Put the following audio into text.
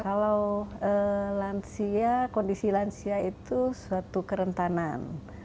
kalau lansia kondisi lansia itu suatu kerentanan